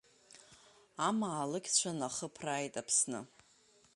Амаалықьцәа нахыԥрааит Аԥсны.